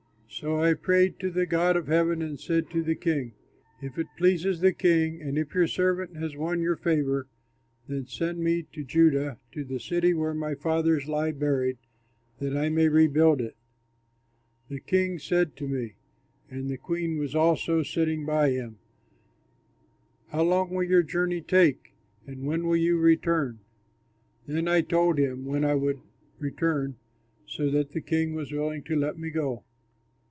So I prayed to the God of heaven and said to the king, "If it please the king and if your servant has won your favor, then send me to Judah, to the city where my fathers lie buried, that I may rebuild it." The king said to me (and the queen was also sitting by him), "How long will your journey take, and when will you return?" Then I told him when I would return, so that the king was willing to let me go.